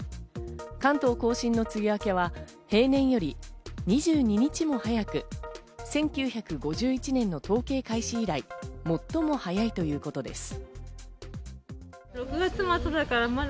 関東甲信の梅雨明けは平年より２２日も早く、１９５１年の統計開始以来、最も早いということです。